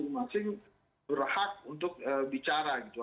karena merasa masing masing berhak untuk bicara gitu